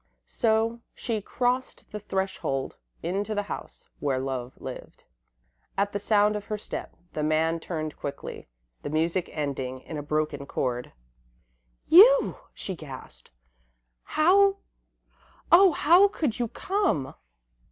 So she crossed the threshold, into the house where Love lived. At the sound of her step, the man turned quickly, the music ending in a broken chord. "You!" she gasped. "Oh, how could you come!"